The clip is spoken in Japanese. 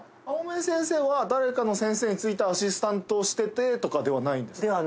青目先生は誰か先生についてアシスタントしてとかではないんですか？